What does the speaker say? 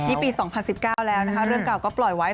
นี่ปี๒๐๑๙แล้วนะคะเรื่องเก่าก็ปล่อยไว้